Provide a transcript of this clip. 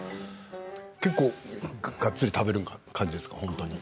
結構がっつり食べる感じですか、本当に。